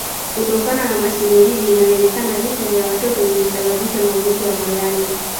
Kutokana na masimulizi inawezekana vifo vya watoto vilisababishwa na ugonjwa wa malaria